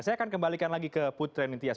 saya akan kembalikan lagi ke putra nintias